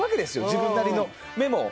自分なりのメモを。